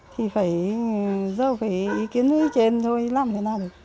thì phải giờ phải ý kiến với trên thôi làm thế nào được